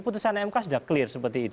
putusan mk sudah clear seperti itu